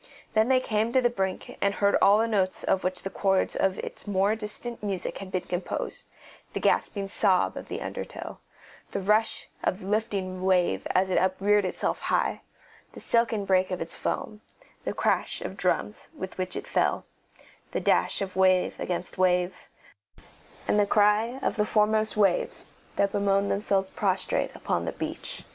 Then they came to the brink and heard all the notes of which the chords of its more distant music had been composed, the gasping sob of the under tow, the rush of the lifting wave as it upreared itself high, the silken break of its foam, the crash of drums with which it fell, the dash of wave against wave, and the cry of the foremost waves that bemoaned themselves prostrate upon the beach.